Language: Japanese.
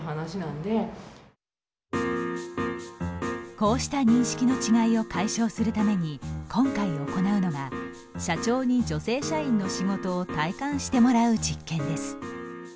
こうした認識の違いを解消するために今回行うのが社長に女性社員の仕事を体感してもらう実験です。